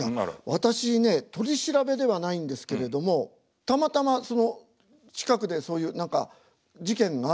私ね取り調べではないんですけれどもたまたまその近くでそういう何か事件があって。